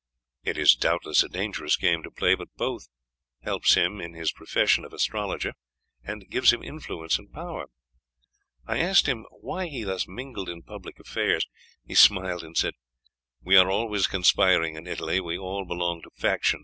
It is doubtless a dangerous game to play, but it both helps him in his profession of astrologer and gives him influence and power. I asked him why he thus mingled in public affairs. He smiled and said: 'We are always conspiring in Italy; we all belong to factions.